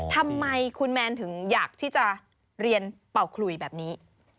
ทำไมคุณแมนถึงอยากที่จะเรียนเป่าขลุยแบบนี้